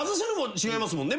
違いますもんね。